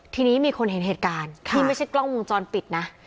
ทีนี้มีคนเห็นเหตุการณ์นี่ไม่ใช่กล้องวงจรปิดนะ